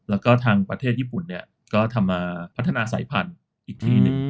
แล้วก็ทางประเทศญี่ปุ่นเนี่ยก็ทำมาพัฒนาสายพันธุ์อีกที่หนึ่ง